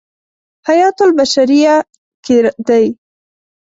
حیاة البشریة کې دی.